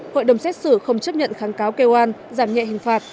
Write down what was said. hội đồng xét xử không chấp nhận kháng cáo kêu oan giảm nhẹ hình phạt